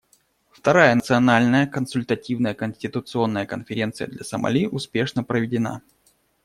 Вторая Национальная консультативная конституционная конференция для Сомали успешно проведена.